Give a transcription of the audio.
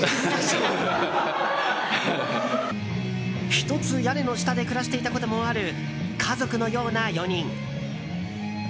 一つ屋根の下で暮らしていたこともある家族のような４人。